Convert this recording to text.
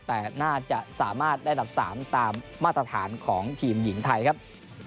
แต่น่าจะสามารถได้อันดับ๓ตามมาตรฐานของทีมหญิงไทยครับ